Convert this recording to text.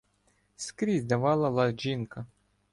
Скрізь давала лад жінка.